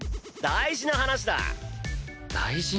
大事な話？